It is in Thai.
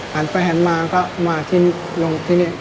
ผ่านไปมามันมาชี้งลงที่นี่